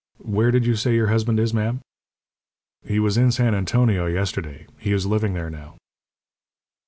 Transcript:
Where did you say your husband is, ma'am?" "He was in San Antonio yesterday. He is living there now."